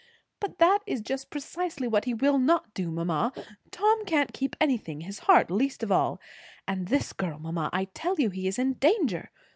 "But that is just precisely what he will not do, mamma. Tom can't keep anything, his heart least of all. And this girl mamma, I tell you he is in danger.